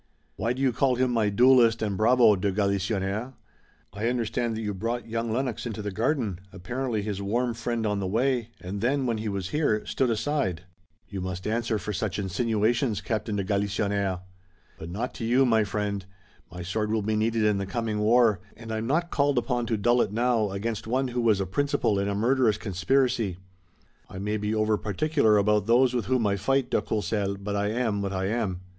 "Why do you call him my duelist and bravo, de Galisonnière?" "I understand that you brought young Lennox into the garden, apparently his warm friend on the way, and then when he was here, stood aside." "You must answer for such insinuations, Captain de Galisonnière." "But not to you, my friend. My sword will be needed in the coming war, and I'm not called upon to dull it now against one who was a principal in a murderous conspiracy. I may be over particular about those with whom I fight, de Courcelles, but I am what I am."